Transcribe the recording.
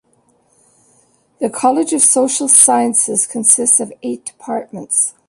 The College of Social Sciences consists of eight departments.